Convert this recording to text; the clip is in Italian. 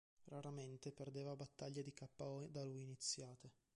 Raramente perdeva battaglie di ko da lui iniziate.